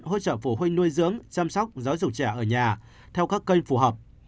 hỗ trợ phụ huynh nuôi dưỡng chăm sóc giáo dục trẻ ở nhà theo các kênh phù hợp